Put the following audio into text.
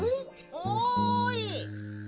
おい！